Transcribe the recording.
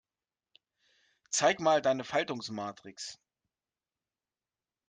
Zeig mal deine Faltungsmatrix.